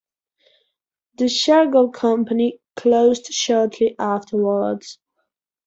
The Shergold company closed shortly afterwards.